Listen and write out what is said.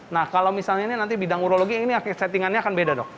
nah kalau misalnya ini nanti bidang urologi ini settingannya akan beda dok